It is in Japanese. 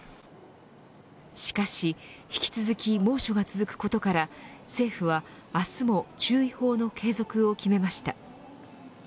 しかし引き続き猛暑が続くことから政府は明日も注意報の継続を決めました。